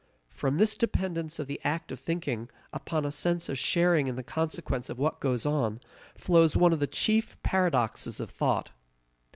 From this dependence of the act of thinking upon a sense of sharing in the consequences of what goes on, flows one of the chief paradoxes of thought.